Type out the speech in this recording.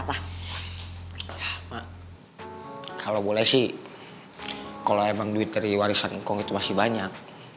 apa lu pengen apa mak kalo boleh sih kalo emang duit dari warisan engkong itu masih banyak